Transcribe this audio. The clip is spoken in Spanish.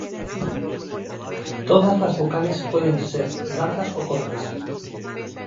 Todas las vocales pueden ser largas o cortas.